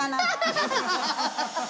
ハハハハハ！